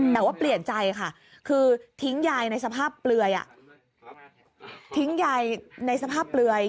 แบบว่าเปลี่ยนใจค่ะคือทิ้งยายในสภาพเปลือย